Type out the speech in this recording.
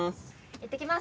いってきます